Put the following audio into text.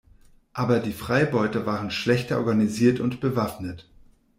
Aber die Freibeuter waren schlechter organisiert und bewaffnet.